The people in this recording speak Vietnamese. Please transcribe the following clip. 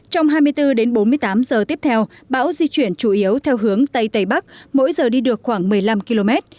trong hai mươi bốn đến bốn mươi tám giờ tiếp theo bão di chuyển chủ yếu theo hướng tây tây bắc mỗi giờ đi được khoảng một mươi năm km